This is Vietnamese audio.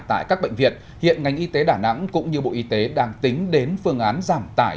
tại các bệnh viện hiện ngành y tế đà nẵng cũng như bộ y tế đang tính đến phương án giảm tải